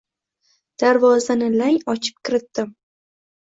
Darvozani lang ochib kiritdim.